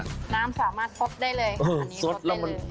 น้ำสามารถซดได้เลยค่ะอันนี้ซดได้เลย